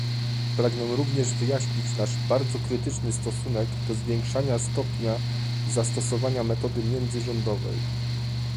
Pragnę również wyjaśnić nasz bardzo krytyczny stosunek do zwiększenia stopnia zastosowania metody międzyrządowej